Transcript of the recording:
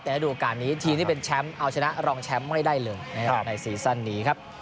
แต่ให้ดูโอกาสนี้ทีมที่เป็นแชมป์เอาชนะรองแชมป์ไม่ได้เลยในสีสั้นนี้ครับ